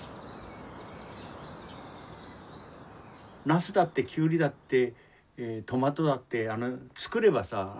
ナスだってキュウリだってトマトだって作ればさ。